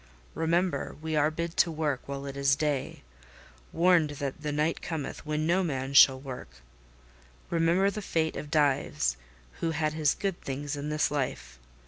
Remember, we are bid to work while it is day—warned that 'the night cometh when no man shall work.' Remember the fate of Dives, who had his good things in this life.